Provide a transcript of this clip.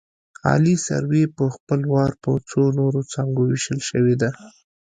عالي سروې په خپل وار په څو نورو څانګو ویشل شوې ده